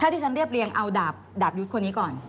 ที่ฉันเรียบเรียงเอาดาบยุทธ์คนนี้ก่อน